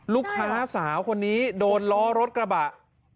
ลูกค้าสาวคนนี้โดนล้อรถกระบะ